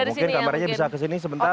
mungkin kamarnya bisa ke sini sebentar